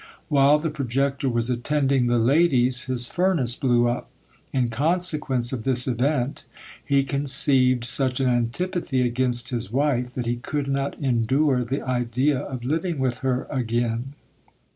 While the projector was attending the ladies, his furnace blew up! In consequence of this event, he conceived such an antipathy against his wife, that he could not endure the idea of living with her again.